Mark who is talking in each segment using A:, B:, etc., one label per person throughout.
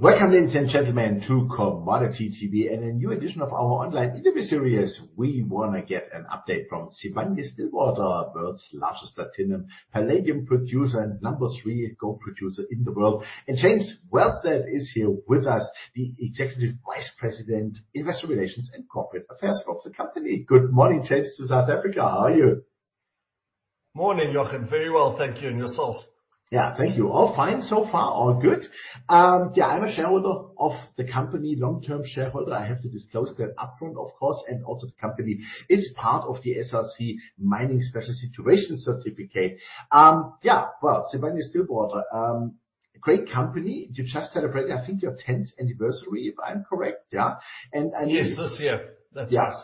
A: Welcome ladies and gentlemen to Commodity-TV and a new edition of our online interview series. We want to get an update from Sibanye-Stillwater, world's largest platinum palladium producer and number three gold producer in the world. James Wellsted is here with us, the Executive Vice President of Investor Relations and Corporate Affairs of the company. Good morning, James, to South Africa. How are you?
B: Morning, Jochen. Very well, thank you. Yourself?
A: Yeah, thank you. All fine so far, all good. Yeah, I'm a shareholder of the company, long-term shareholder. I have to disclose that upfront of course, and also the company is part of the SRC Mining & Special Situations Certificate. Yeah, well, Sibanye-Stillwater, great company. You just celebrated, I think, your 10th anniversary, if I'm correct, yeah?
B: Yes, this year. That's us.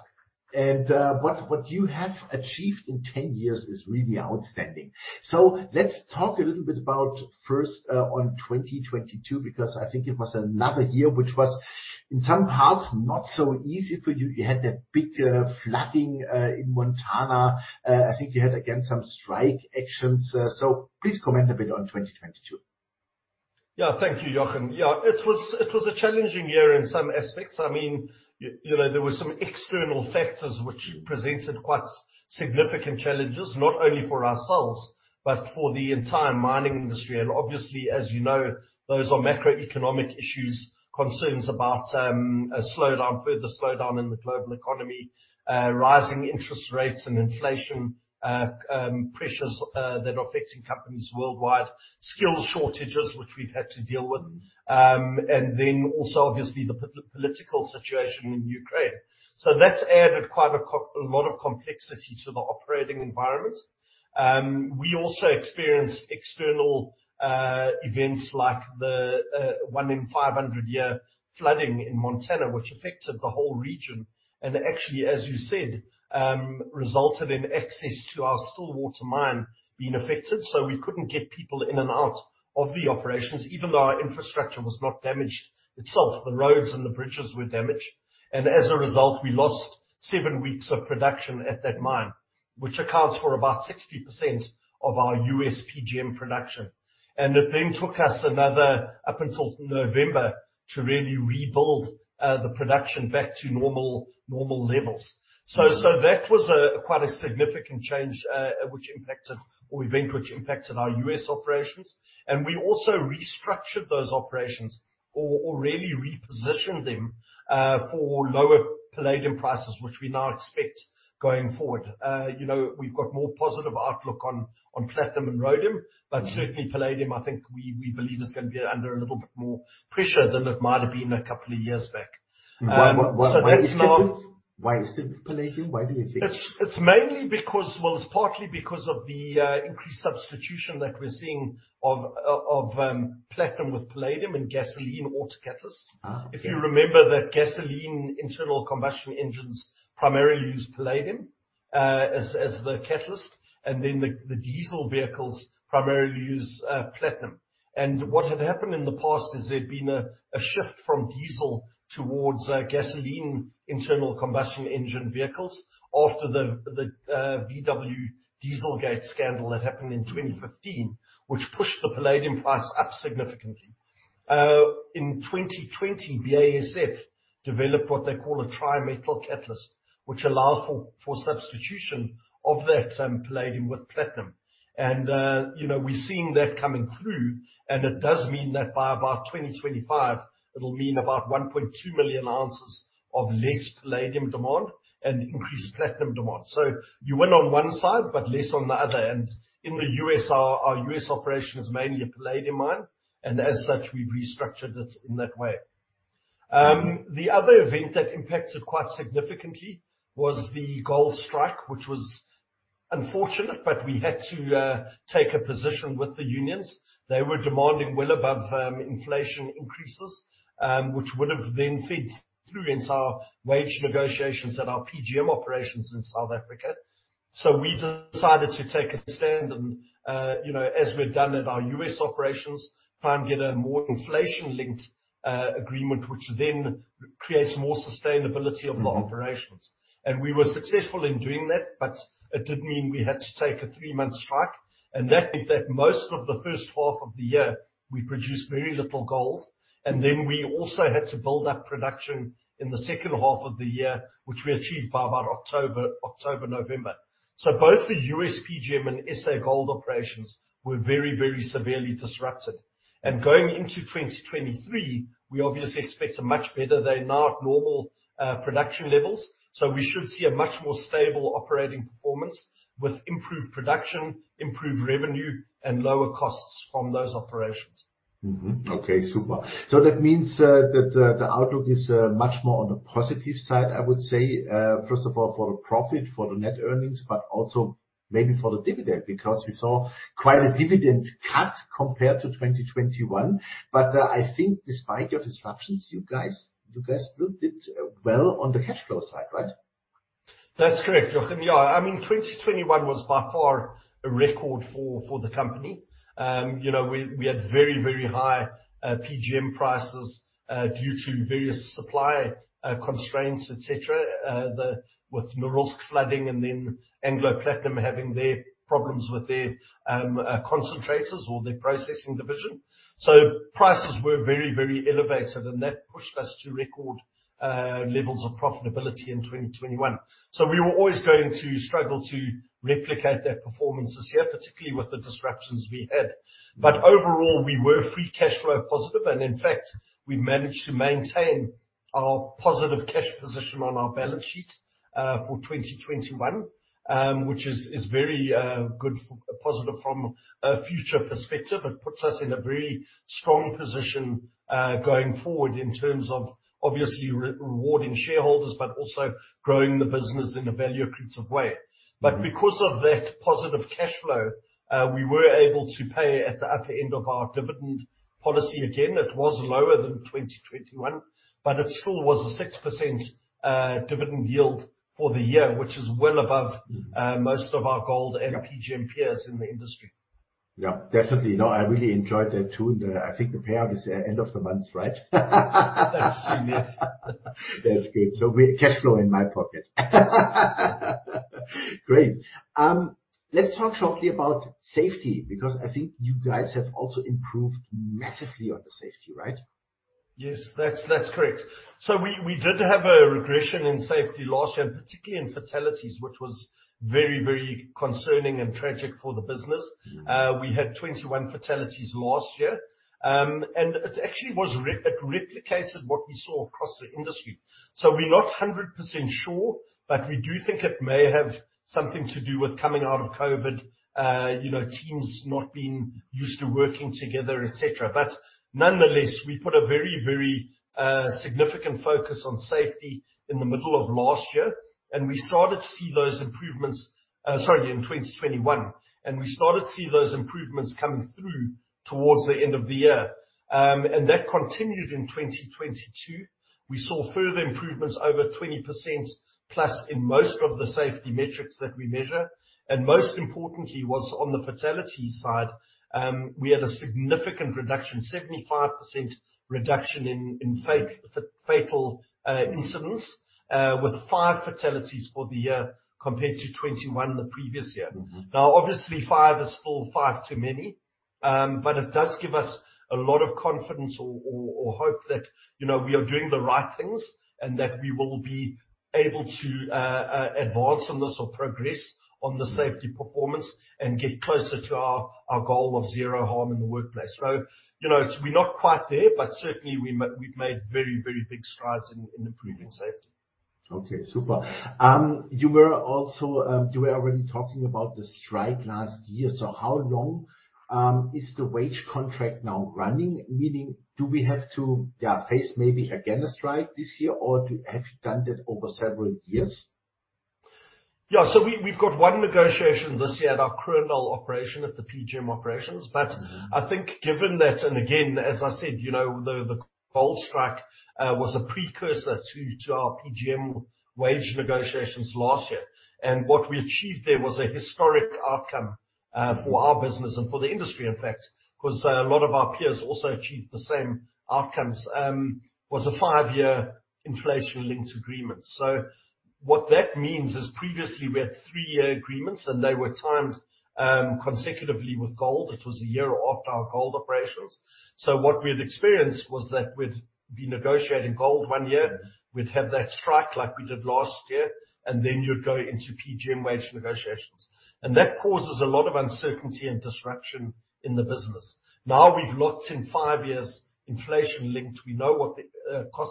A: Yeah. What you have achieved in 10 years is really outstanding. Let's talk a little bit about first on 2022, because I think it was another year, which was in some parts, not so easy for you. You had that big flooding in Montana. I think you had again, some strike actions. Please comment a bit on 2022.
B: Thank you, Jochen. It was a challenging year in some aspects. I mean, you know, there were some external factors which presented quite significant challenges, not only for ourselves, but for the entire mining industry. Obviously, as you know, those are macroeconomic issues, concerns about a slowdown, further slowdown in the global economy, rising interest rates and inflation pressures that are affecting companies worldwide, skill shortages which we've had to deal with, and then also obviously the political situation in Ukraine. That's added quite a lot of complexity to the operating environment. We also experienced external events like the one in 500 year flooding in Montana, which affected the whole region, and actually, as you said, resulted in access to our Stillwater mine being affected. We couldn't get people in and out of the operations. Even though our infrastructure was not damaged itself, the roads and the bridges were damaged. As a result, we lost seven weeks of production at that mine, which accounts for about 60% of our US PGM production. It then took us another, up until November, to really rebuild the production back to normal levels. That was quite a significant change, which impacted or event which impacted our U.S. operations. We also restructured those operations or really repositioned them for lower palladium prices, which we now expect going forward. You know, we've got more positive outlook on platinum and rhodium.
A: Mm-hmm.
B: Certainly palladium, I think we believe is going to be under a little bit more pressure than it might have been a couple of years back.
A: Why, why is this? Why is this with palladium? Why do you think?
B: It's mainly because, well, it's partly because of the increased substitution that we're seeing of platinum with palladium in gasoline auto catalysts.
A: Okay.
B: If you remember that gasoline internal combustion engines primarily use palladium as the catalyst, and then the diesel vehicles primarily use platinum. What had happened in the past is there'd been a shift from diesel towards gasoline internal combustion engine vehicles after the Volkswagen Dieselgate Scandal that happened in 2015, which pushed the palladium price up significantly. In 2020, BASF developed what they call a Tri-Metal Catalyst, which allows for substitution of that palladium with platinum. You know, we're seeing that coming through, and it does mean that by about 2025, it'll mean about 1.2 million ounces of less palladium demand and increased platinum demand. You win on one side but less on the other. In the U.S., our U.S. operation is mainly a palladium mine, and as such, we've restructured it in that way. The other event that impacted quite significantly was the gold strike, which was unfortunate, but we had to take a position with the unions. They were demanding well above inflation increases, which would have then fed through into our wage negotiations at our PGM operations in South Africa. We decided to take a stand and, you know, as we've done at our U.S. operations, try and get a more inflation-linked agreement, which then creates more sustainability of the operations. We were successful in doing that, but it did mean we had to take a three-month strike, and that meant that most of the first half of the year we produced very little gold. We also had to build up production in the second half of the year, which we achieved by about October, November. Both the U.S. PGM and S.A. Gold operations were very severely disrupted. Going into 2023, we obviously expect a much better. They're now at normal production levels, so we should see a much more stable operating performance with improved production, improved revenue, and lower costs from those operations.
A: Okay, super. That means that the outlook is much more on the positive side, I would say. First of all, for the profit, for the net earnings, but also maybe for the dividend, because we saw quite a dividend cut compared to 2021. I think despite your disruptions, you guys still did well on the cash flow side, right?
B: That's correct, Jochen. Yeah. I mean, 2021 was by far a record for the company. You know, we had very, very high PGM prices due to various supply constraints, et cetera. With Norilsk flooding and then Anglo Platinum having their problems with their concentrators or their processing division. Prices were very, very elevated, and that pushed us to record levels of profitability in 2021. We were always going to struggle to replicate that performance this year, particularly with the disruptions we had. Overall, we were free cash flow positive, and in fact, we managed to maintain our positive cash position on our balance sheet for 2021, which is very good positive from a future perspective. It puts us in a very strong position, going forward in terms of obviously re-rewarding shareholders, but also growing the business in a value-accretive way.
A: Mm-hmm.
B: Because of that positive cash flow, we were able to pay at the upper end of our dividend policy again. It was lower than 2021, but it still was a 6% dividend yield for the year, which is well above most of our gold and PGM peers in the industry.
A: Yeah, definitely. No, I really enjoyed that too. I think the payout is the end of the month, right?
B: That's correct.
A: That's good. We cash flow in my pocket. Great. Let's talk shortly about safety, because I think you guys have also improved massively on the safety, right?
B: Yes. That's correct. We did have a regression in safety last year, and particularly in fatalities, which was very concerning and tragic for the business.
A: Mm-hmm.
B: We had 21 fatalities last year. It actually replicated what we saw across the industry. We're not 100% sure, but we do think it may have something to do with coming out of COVID. You know, teams not being used to working together, et cetera. Nonetheless, we put a very, very significant focus on safety in the middle of last year, and we started to see those improvements... Sorry, in 2021. We started to see those improvements coming through towards the end of the year. That continued in 2022. We saw further improvements over 20% plus in most of the safety metrics that we measure. Most importantly was on the fatality side. We had a significant reduction, 75% reduction in fatal incidents, with five fatalities for the year compared to 21 the previous year.
A: Mm-hmm.
B: Obviously, five is still five too many. It does give us a lot of confidence or, or hope that, you know, we are doing the right things and that we will be able to advance on this or progress on the safety performance and get closer to our goal of zero harm in the workplace. You know, we're not quite there, but certainly we've made very, very big strides in improving safety.
A: Okay, super. You were also, you were already talking about the strike last year. How long is the wage contract now running? Meaning, do we have to, yeah, face maybe again a strike this year, or have you done that over several years?
B: Yeah. We've got one negotiation this year at our Kroondal operation at the PGM operations.
A: Mm-hmm.
B: I think given that, and again, as I said, you know, the gold strike was a precursor to our PGM wage negotiations last year. What we achieved there was a historic outcome for our business and for the industry, in fact, because a lot of our peers also achieved the same outcomes. Was a five-year inflation-linked agreement. What that means is previously we had three-year agreements, and they were timed consecutively with gold. It was one year after our gold operations. What we had experienced was that we'd be negotiating gold one year, we'd have that strike like we did last year, and then you'd go into PGM wage negotiations. That causes a lot of uncertainty and disruption in the business. Now we've locked in five years inflation linked. We know what the cost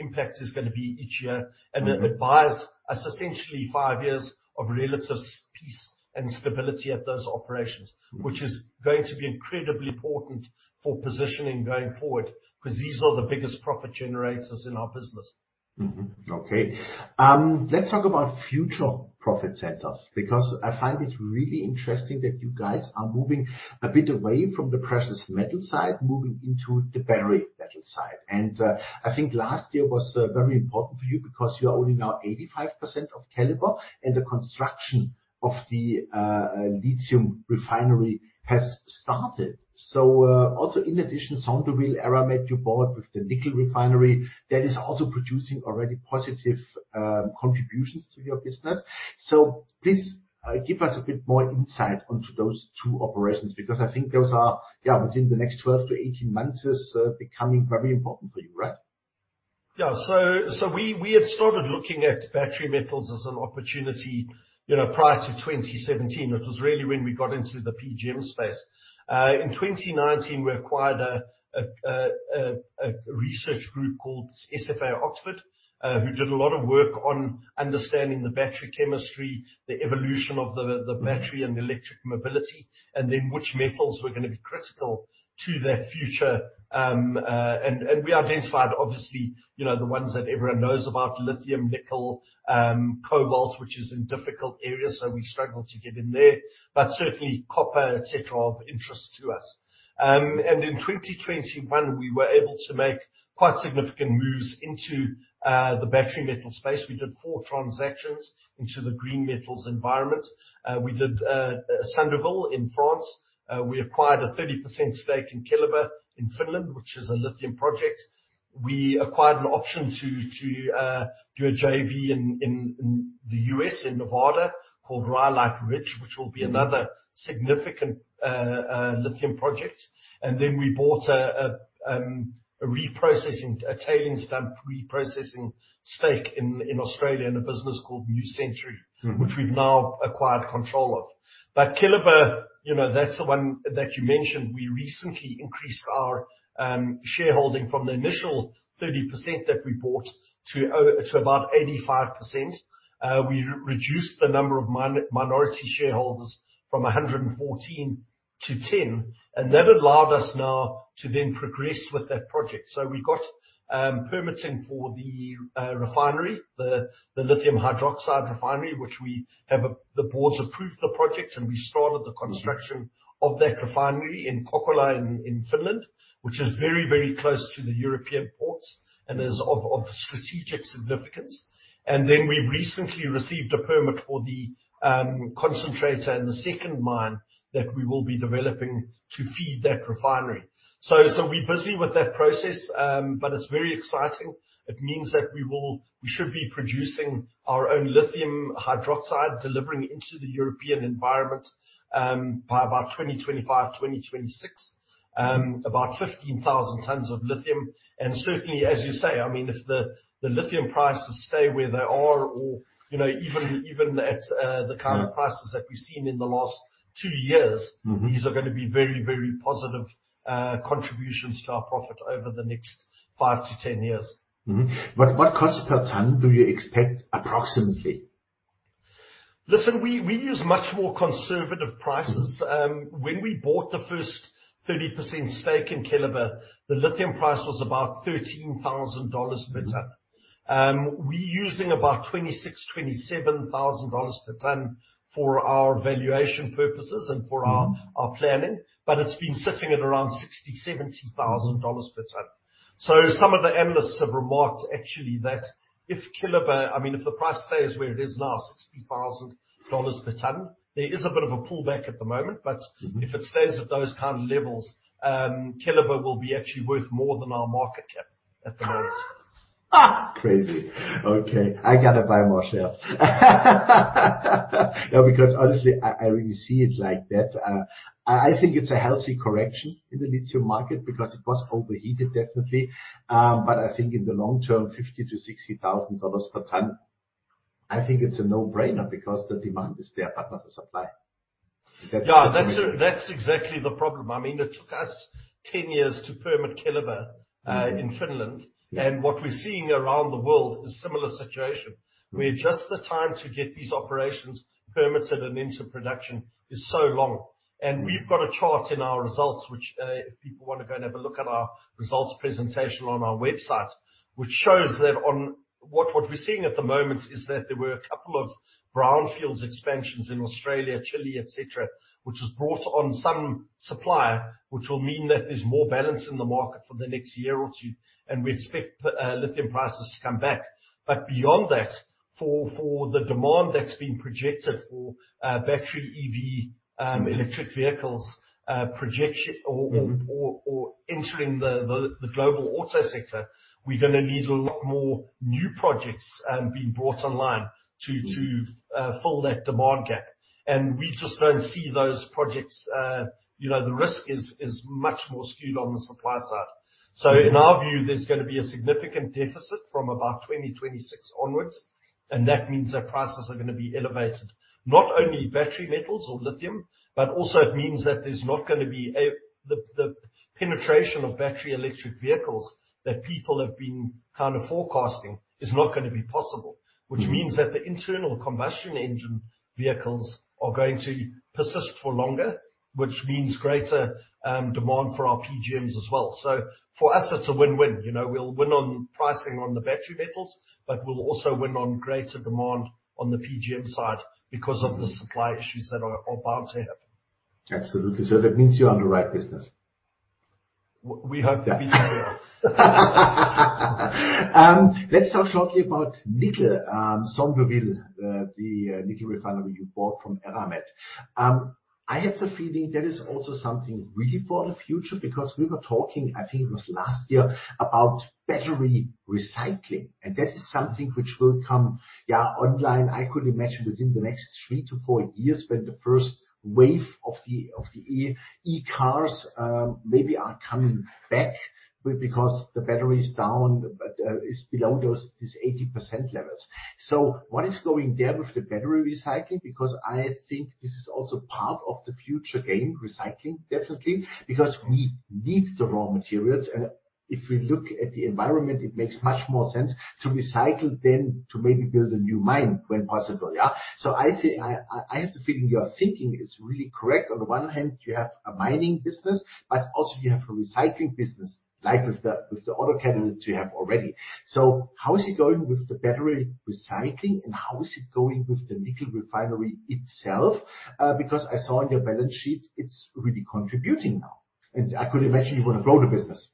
B: impact is gonna be each year.
A: Mm-hmm.
B: It buys us essentially five years of relative peace and stability at those operations. Which is going to be incredibly important for positioning going forward, 'cause these are the biggest profit generators in our business.
A: Okay. Let's talk about future profit centers, because I find it really interesting that you guys are moving a bit away from the precious metal side, moving into the battery metal side. I think last year was very important for you because you own now 85% of Keliber, and the construction of the lithium refinery has started. Also in addition, Sandouville Eramet you board with the nickel refinery that is also producing already positive contributions to your business. Please give us a bit more insight onto those two operations, because I think those are, yeah, within the next 12-18 months is becoming very important for you, right?
B: Yeah. We had started looking at battery metals as an opportunity, you know, prior to 2017. It was really when we got into the PGM space. In 2019, we acquired a research group called SFA (Oxford) who did a lot of work on understanding the battery chemistry, the evolution of the battery and electric mobility, and then which metals were gonna be critical to that future. We identified obviously, you know, the ones that everyone knows about lithium, nickel, cobalt, which is in difficult areas, so we struggled to get in there. Certainly copper, et cetera, of interest to us. In 2021, we were able to make quite significant moves into the battery metal space. We did four transactions into the green metals environment. We did Sandouville in France. We acquired a 30% stake in Keliber in Finland, which is a lithium project. We acquired an option to do a JV in the U.S. in Nevada called Rhyolite Ridge, which will be another significant lithium project. Then we bought a tailings dam reprocessing stake in Australia in a business called New Century.
A: Mm-hmm.
B: Which we've now acquired control of. Keliber, you know, that's the one that you mentioned. We recently increased our shareholding from the initial 30% that we bought to about 85%. We reduced the number of minority shareholders from 114 to 10, and that allowed us now to then progress with that project. We got permitting for the refinery, the lithium hydroxide refinery, which we have the board's approved the project and we started the construction of that refinery in Kokkola in Finland, which is very, very close to the European ports and is of strategic significance. We've recently received a permit for the concentrator and the second mine that we will be developing to feed that refinery. We're busy with that process, but it's very exciting. It means that we should be producing our own lithium hydroxide delivering into the European environment by about 2025, 2026, about 15,000 tons of lithium. Certainly, as you say, I mean, if the lithium prices stay where they are or, you know, even at the kind of prices that we've seen in the last two years.
A: Mm-hmm.
B: These are gonna be very, very positive contributions to our profit over the next 5-10 years.
A: Mm-hmm. What cost per ton do you expect approximately?
B: Listen, we use much more conservative prices. When we bought the first 30% stake in Keliber, the lithium price was about $13,000 per ton. We're using about $26,000-$27,000 per ton for our valuation purposes.
A: Mm-hmm.
B: Our planning, it's been sitting at around $60,000-$70,000 per ton. Some of the analysts have remarked actually that if Keliber, I mean, if the price stays where it is now, $60,000 per ton, there is a bit of a pullback at the moment.
A: Mm-hmm.
B: If it stays at those kind of levels, Keliber will be actually worth more than our market cap at the moment.
A: Crazy. Okay. I gotta buy more shares. Honestly, I really see it like that. I think it's a healthy correction in the lithium market because it was overheated definitely. I think in the long term, $50,000-$60,000 per ton, I think it's a no-brainer because the demand is there, but not the supply.
B: Yeah. That's exactly the problem. I mean, it took us 10 years to permit Keliber, in Finland.
A: Yeah.
B: What we're seeing around the world is similar situation, where just the time to get these operations permitted and into production is so long. We've got a chart in our results which, if people wanna go and have a look at our results presentation on our website, which shows that what we're seeing at the moment is that there were a couple of brownfields expansions in Australia, Chile, et cetera, which has brought on some supply, which will mean that there's more balance in the market for the next year or two, and we expect lithium prices to come back. Beyond that, for the demand that's been projected for battery EV, electric vehicles, projection or entering the global auto sector, we're gonna need a lot more new projects being brought online to fill that demand gap. We just don't see those projects. You know, the risk is much more skewed on the supply side. In our view, there's gonna be a significant deficit from about 2026 onwards, and that means that prices are gonna be elevated. Not only battery metals or lithium, but also it means that there's not gonna be the penetration of battery electric vehicles that people have been kind of forecasting is not gonna be possible. Which means that the internal combustion engine vehicles are going to persist for longer, which means greater demand for our PGMs as well. For us, it's a win-win. You know, we'll win on pricing on the battery metals, but we'll also win on greater demand on the PGM side because of the supply issues that are bound to happen.
A: Absolutely. That means you're on the right business.
B: We hope that we can be.
A: Let's talk shortly about Nickel. Sandouville, the nickel refinery you bought from Eramet. I have the feeling that is also something really for the future because we were talking, I think it was last year, about battery recycling, and that is something which will come online. I could imagine within the next three to four years when the first wave of the e-cars maybe are coming back because the battery's down, is below those, these 80% levels. What is going there with the battery recycling? Because I think this is also part of the future game, recycling definitely, because we need the raw materials. If we look at the environment, it makes much more sense to recycle than to maybe build a new mine when possible. I think I have the feeling your thinking is really correct. On one hand, you have a mining business, but also you have a recycling business like with the, with the other candidates you have already. How is it going with the battery recycling, and how is it going with the nickel refinery itself? Because I saw on your balance sheet it's really contributing now, and I could imagine you wanna grow the business.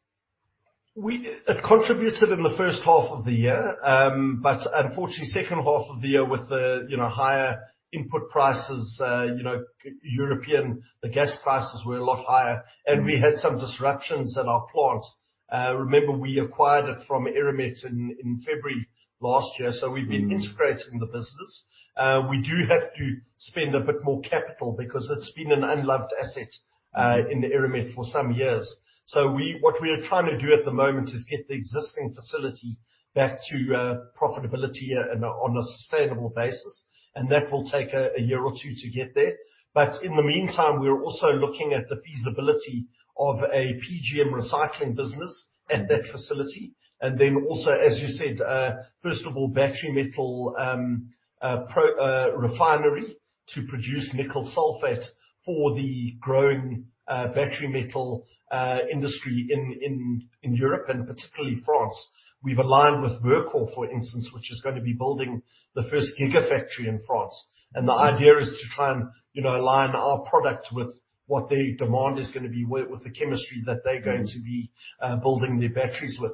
B: It contributed in the First half of the year. Unfortunately, Second half of the year with the, you know, higher input prices, you know, European, the gas prices were a lot higher. We had some disruptions at our plants. Remember we acquired it from Eramet in February last year. We've been integrating the business. We do have to spend a bit more capital because it's been an unloved asset in the Eramet for some years. What we are trying to do at the moment is get the existing facility back to profitability and on a sustainable basis. That will take one or two years to get there. In the meantime, we're also looking at the feasibility of a PGM recycling business at that facility. Also, as you said, first of all, battery metal refinery to produce nickel sulfate for the growing battery metal industry in Europe and particularly France. We've aligned with Verkor, for instance, which is gonna be building the first gigafactory in France. The idea is to try and, you know, align our product with what their demand is gonna be with the chemistry that they're going to be building their batteries with.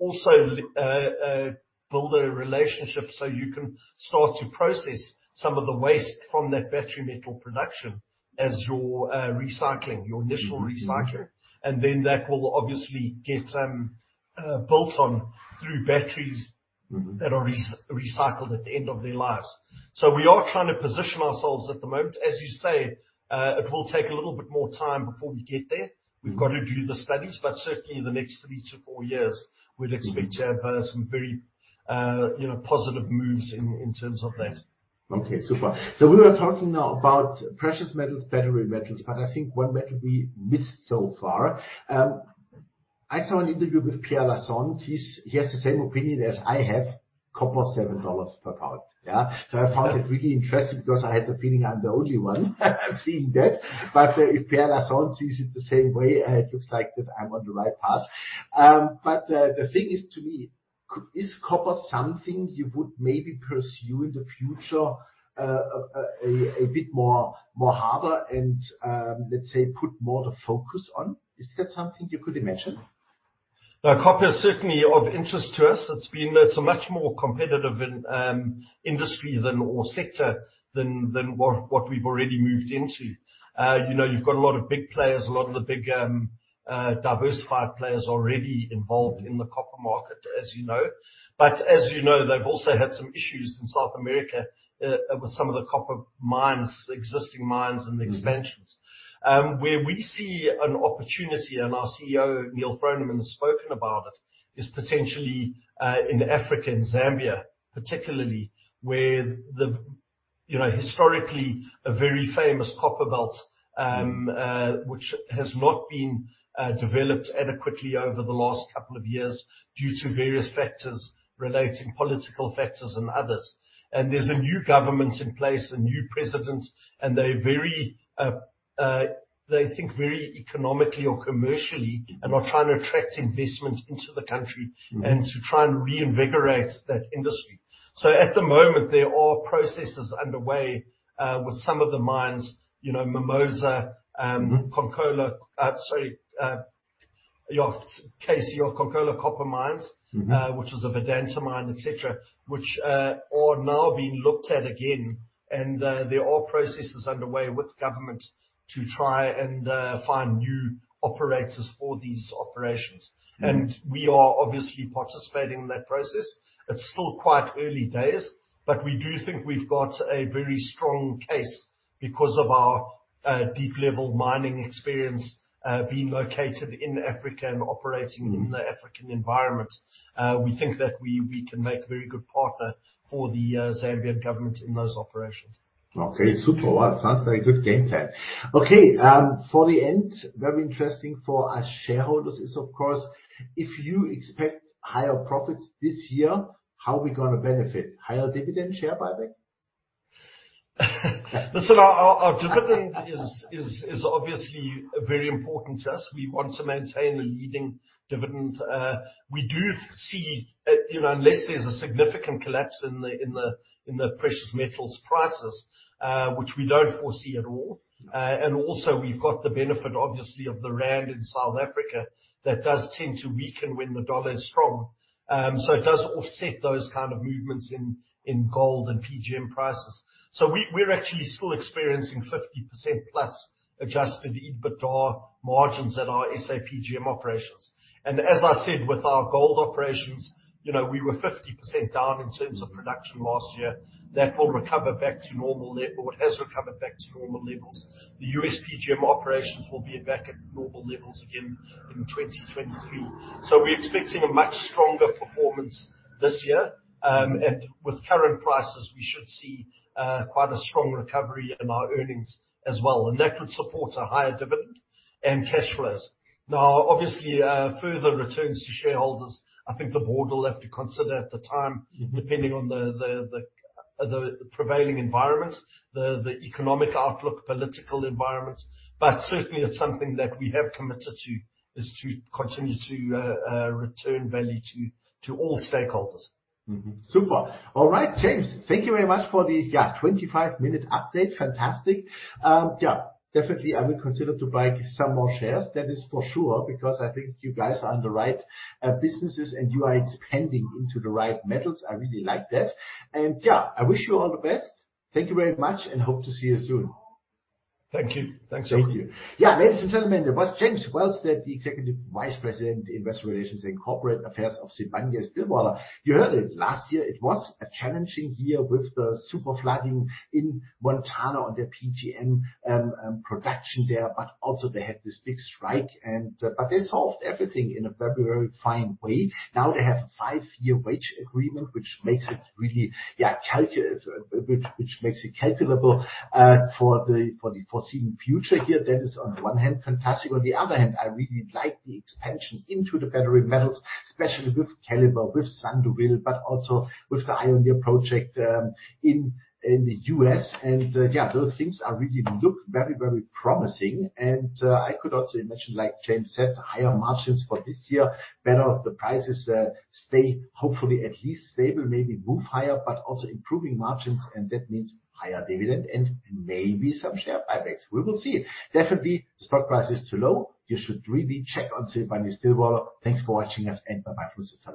B: Also, build a relationship so you can start to process some of the waste from that battery metal production as your recycling, your initial recycling. That will obviously get built on through batteries that are recycled at the end of their lives. We are trying to position ourselves at the moment. As you say, it will take a little bit more time before we get there. We've got to do the studies, but certainly in the next three to four years, we'd expect to have some very, you know, positive moves in terms of that.
A: Okay, super. We were talking now about precious metals, battery metals, but I think one metal we missed so far. I saw an interview with Pierre Lassonde. He has the same opinion as I have, copper $7 per pound. Yeah. I found it really interesting because I had the feeling I'm the only one seeing that. But if Pierre Lassonde sees it the same way, it looks like that I'm on the right path. But the thing is to me, is copper something you would maybe pursue in the future, a bit more harder and, let's say, put more the focus on? Is that something you could imagine?
B: Copper is certainly of interest to us. It's been a much more competitive in industry than or sector than what we've already moved into. You know, you've got a lot of big players, a lot of the big diversified players already involved in the copper market, as you know. As you know, they've also had some issues in South America, with some of the copper mines, existing mines and the expansions. Where we see an opportunity, and our CEO, Neal Froneman, has spoken about it, is potentially in Africa, in Zambia, particularly, where the, you know, historically a very famous copper belt, which has not been developed adequately over the last couple of years due to various factors relating political factors and others. There's a new government in place, a new president, and they're very, they think very economically or commercially and are trying to attract investments into the country and to try and reinvigorate that industry. At the moment, there are processes underway, with some of the mines, you know, Mimosa, Konkola. Sorry, Konkola Copper Mines.
A: Mm-hmm.
B: which was a Vedanta mine, et cetera, which are now being looked at again. There are processes underway with government to try and find new operators for these operations. We are obviously participating in that process. It's still quite early days, but we do think we've got a very strong case because of our deep level mining experience, being located in Africa and operating in the African environment. We think that we can make very good partner for the Zambian government in those operations.
A: Okay, super. Well, it sounds like good game plan. Okay, for the end, very interesting for us shareholders is of course, if you expect higher profits this year, how are we gonna benefit? Higher dividend share buyback?
B: Listen, our dividend is obviously very important to us. We want to maintain a leading dividend. We do see, you know, unless there's a significant collapse in the precious metals prices, which we don't foresee at all. We've got the benefit, obviously, of the rand in South Africa that does tend to weaken when the dollar is strong. It does offset those kind of movements in gold and PGM prices. We're actually still experiencing 50% plus adjusted EBITDA margins at our SAPGM operations. As I said with our gold operations, you know, we were 50% down in terms of production last year. That will recover back to normal or it has recovered back to normal levels. The USPGM operations will be back at normal levels again in 2023. We're expecting a much stronger performance this year. With current prices, we should see quite a strong recovery in our earnings as well, and that would support a higher dividend and cash flows. Obviously, further returns to shareholders, I think the board will have to consider at the time, depending on the prevailing environment, the economic outlook, political environment. Certainly it's something that we have committed to, is to continue to return value to all stakeholders.
A: Super. All right, James, thank you very much for the, yeah, 25-minute update. Fantastic. Yeah, definitely I will consider to buy some more shares, that is for sure, because I think you guys are on the right businesses and you are expanding into the right metals. I really like that. Yeah, I wish you all the best. Thank you very much and hope to see you soon.
B: Thank you. Thanks very much.
A: Thank you. Yeah. Ladies and gentlemen, that was James Wellsted, the Executive Vice President, Investor Relations and Corporate Affairs of Sibanye-Stillwater. You heard it, last year it was a challenging year with the super flooding in Montana on their PGM production there. Also they had this big strike and they solved everything in a very, very fine way. Now they have a five-year wage agreement, which makes it really calculable for the foreseen future here. That is on the one hand, fantastic. On the other hand, I really like the expansion into the battery metals, especially with Keliber, with Sandouville, but also with the Ioneer project in the U.S. Those things are really look very, very promising. I could also mention, like James said, higher margins for this year, better the prices stay hopefully at least stable, maybe move higher, but also improving margins and that means higher dividend and maybe some share buybacks. We will see. Definitely stock price is too low. You should really check on Sibanye-Stillwater. Thanks for watching us, and bye-bye for this time.